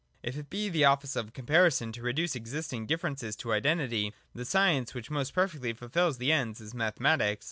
If it be the office of comparison to reduce existing differ ences to Identity, the science, which most perfectly fulfils that end, is mathematics.